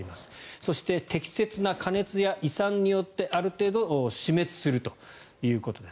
そして適切な加熱や胃酸によってある程度死滅するということです。